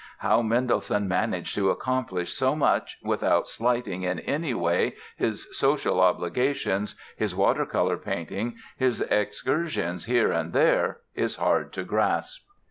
How Mendelssohn managed to accomplish so much without slighting in any way his social obligations, his watercolor painting, his excursions here and there is hard to grasp.